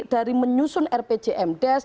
dari menyusun rpjm des